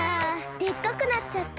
でっかくなっちゃった。